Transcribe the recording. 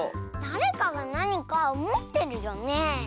だれかがなにかもってるよね。